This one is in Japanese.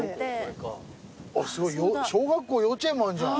すごい小学校幼稚園もあんじゃん。